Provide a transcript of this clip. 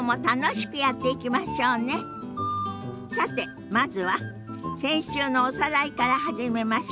さてまずは先週のおさらいから始めましょ。